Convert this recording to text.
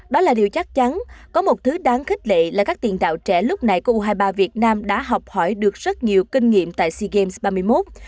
đó là điều chắc chắn có một thứ đáng khích lệ là các tiền đạo trẻ lúc này u hai mươi ba việt nam đã học hỏi được rất nhiều kinh nghiệm tại sea games ba mươi một